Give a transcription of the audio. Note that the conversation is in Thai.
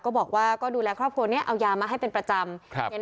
ก็บอกว่าก็ดูแลครอบครัวนี้เอายามาให้เป็นประจำ